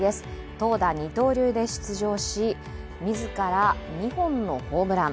投打二刀流で出場し自ら２本のホームラン。